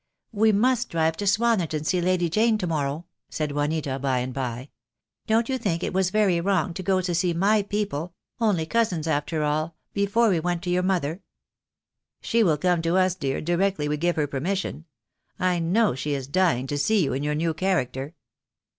"We must drive to Swanage and see Lady Jane to morrow," said Juanita by and by. "Don't you think it was very wrong to go to see my people — only cousins after all — before we went to your mother?" " She will come to us, dear, directly we give her per mission. I know she is dying to see you in your new character."